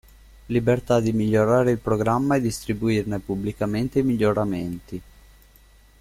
Libertà di migliorare il programma e distribuirne pubblicamente i miglioramenti.